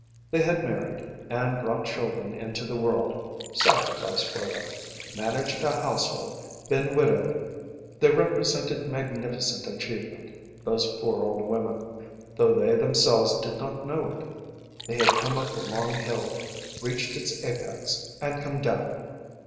They had married, and brought children into the world; sacrificed for them, managed a household, been widowed. They represented magnificent achievement, those four old women, though they themselves did not know it. They had come up the long hill, reached its apex, and come down.